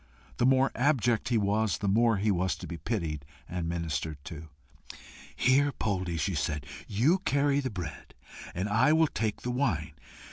The more abject he was, the more was he to be pitied and ministered to. "Here, Poldie," she said, "you carry the bread, and I will take the wine.